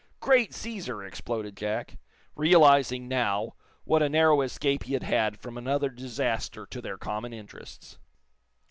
"Great Caesar!" exploded Jack, realizing, now, what a narrow escape he had had from another disaster to their common interests.